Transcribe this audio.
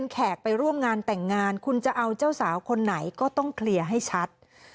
คุณจะเอาเจ้าสาวคนไหนก็ต้องเคลียร์ให้ชัด